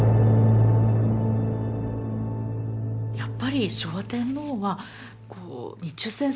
やっぱり昭和天皇は日中戦争